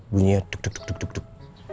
bunyinya tuk tuk tuk